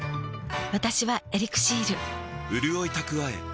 私は「エリクシール」